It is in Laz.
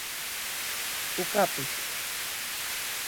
Uǩap̌it.